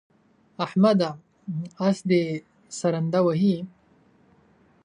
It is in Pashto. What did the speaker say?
احمده! اس دې سرنده وهي.